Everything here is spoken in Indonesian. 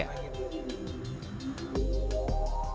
usai menyemakan agenda ekspedisi